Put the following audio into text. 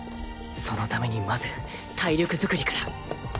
そのためにまず体力作りから